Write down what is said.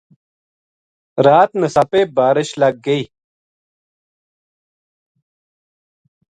رات نساپے بارش لگ گئی